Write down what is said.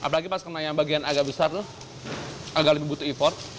apalagi pas kena yang bagian agak besar tuh agak lebih butuh effort